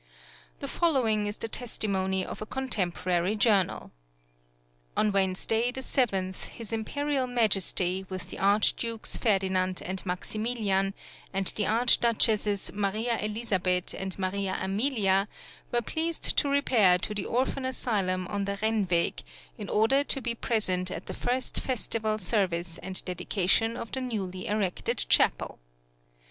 The following is the testimony of a contemporary journal: On Wednesday, the 7th, his Imperial Majesty, with the Archdukes Ferdinand and Maximilian, and the Archduchesses Maria Elizabeth and Maria Amelia were pleased to repair to the Orphan Asylum on the Rennweg, in order to be present at the first festival service and dedication of the newly erected chapel.